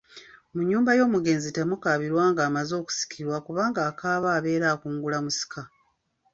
Mu nnyumba y'omugenzi temukaabirwa ng'amaze okusikirwa kubanga akaaba abeera akungula musika.